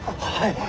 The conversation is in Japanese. はい。